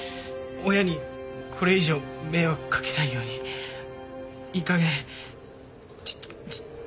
親にこれ以上迷惑掛けないようにいいかげんじじ自立しないと